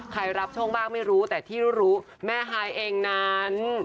รับโชคบ้างไม่รู้แต่ที่รู้แม่ฮายเองนั้น